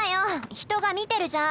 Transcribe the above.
人が見てるじゃん。